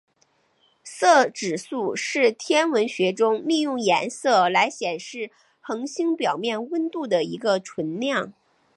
色指数是天文学中利用颜色来显示恒星表面温度的一个纯量。